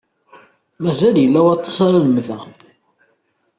Mazal yella waṭas ara lemdeɣ.